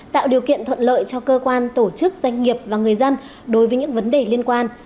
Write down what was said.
tạo điều kiện thuận lợi cho cơ quan tổ chức doanh nghiệp và người dân đối với những vấn đề liên quan